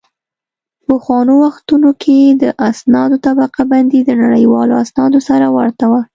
په پخوا وختونو کې د اسنادو طبقه بندي د نړیوالو اسنادو سره ورته وه